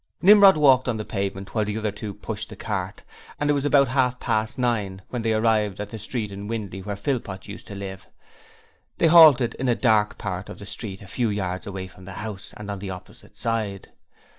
Nimrod walked on the pavement while the other two pushed the cart, and it was about half past nine, when they arrived at the street in Windley where Philpot used to live. They halted in a dark part of the street a few yards away from the house and on the opposite side.